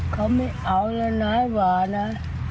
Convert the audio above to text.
เขาไม่เอาแล้วนะหวานะ